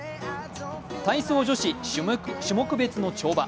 体操女子種目別の跳馬。